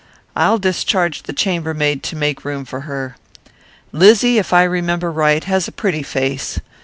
I'll discharge the chambermaid to make room for her. Lizzy, if I remember right, has a pretty face.